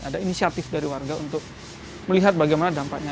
ada inisiatif dari warga untuk melihat bagaimana dampaknya